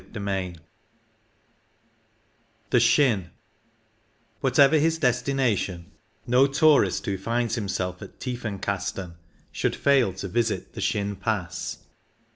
CHAPTER VIII THE SCHYN Whatever his destination, no tourist who finds himself at Tiefenkasten should fail to visit the Schyn Pass.